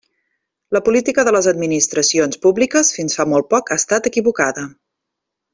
La política de les administracions públiques fins fa molt poc ha estat equivocada.